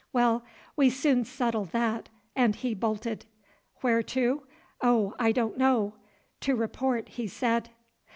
Well, we soon settled that, and he bolted. Where to? Oh! I don't know; to report, he said."